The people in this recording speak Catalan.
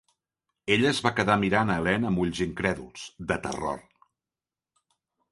Ella es va quedar mirant a Helene amb ulls incrèduls, de terror.